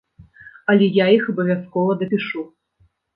Але я іх абавязкова дапішу.